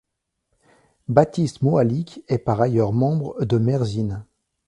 Baptiste Moalic est par ailleurs membre de Merzhin.